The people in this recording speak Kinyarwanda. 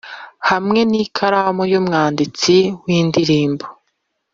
hamwe n'ikaramu yumwanditsi w'indirimbo